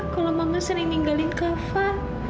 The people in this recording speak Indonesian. kalau mama sering meninggalkan kava